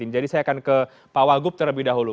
jadi saya akan ke pak wagup terlebih dahulu